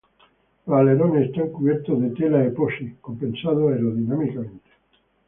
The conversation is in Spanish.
Los alerones están cubiertos en tela epoxi, compensados aerodinámicamente.